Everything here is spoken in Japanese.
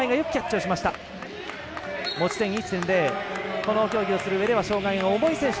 この競技をするうえでは障がいが重い選手。